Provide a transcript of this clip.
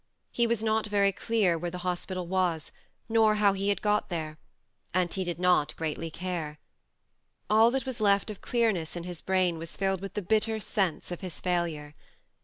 He was not very clear where the hospital was, nor how he had got there ; and he did not greatly care. All that was left of clearness in his brain was filled with the bitter sense of his failure.